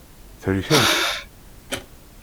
Thelkemt?